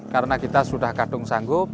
karena kita sudah kadung sanggup